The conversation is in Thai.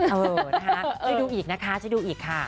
เออนะคะจะดูอีกนะคะจะดูอีกค่ะ